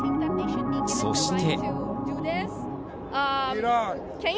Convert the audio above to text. そして。